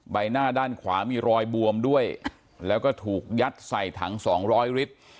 ใบหน้าด้านขวามีรอยบวมด้วยแล้วก็ถูกยัดใส่ถัง๒๐๐ลิตร